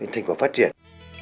thành quả phát triển